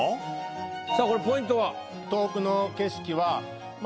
さあこれポイントは？